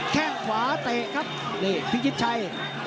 แค่งขวาเตะครับนี่พิชิตชัย